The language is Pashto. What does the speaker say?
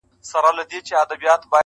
چت يم نړېږمه د عمر چي آخره ده اوس,